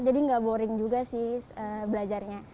jadi nggak boring juga sih belajarnya